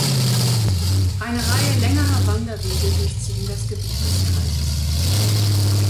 Eine Reihe längerer Wanderwege durchziehen das Gebiet des Kreises.